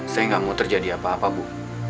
saya nggak mau terjadi apa apa bu